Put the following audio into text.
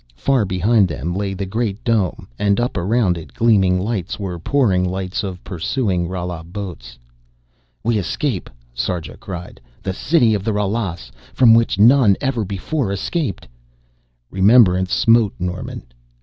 Far behind them lay the great dome and up around it gleaming lights were pouring, lights of pursuing Rala boats. "We escape," Sarja cried, "the city of the Ralas, from which none ever before escaped!" Remembrance smote Norman.